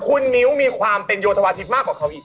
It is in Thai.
คุณมิ้วมีความเป็นโยธวาทิศมากกว่าเขาอีก